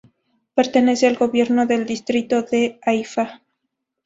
Pertenece al gobierno del Distrito de Haifa.